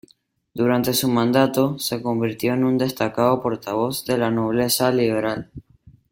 Durante su mandato, se convirtió en un destacado portavoz de la nobleza liberal.